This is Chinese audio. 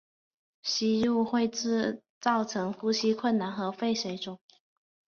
吸入会造成呼吸困难和肺水肿。